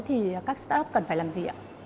thì các start up cần phải làm gì ạ